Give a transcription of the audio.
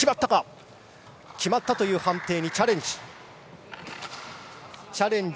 決まったという判定にチャレンジ。